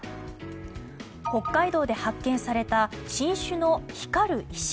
北海道で発見された新種の光る石。